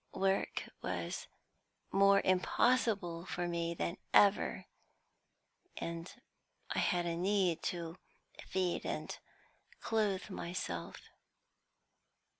Work was more impossible for me than ever, and I had to feed and clothe myself."